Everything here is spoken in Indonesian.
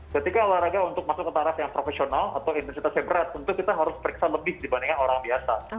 ketika olahraga untuk masuk ke taraf yang profesional atau intensitasnya berat tentu kita harus periksa lebih dibandingkan orang biasa